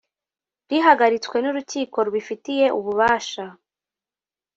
rihagaritswe n urukiko rubifitiye ububasha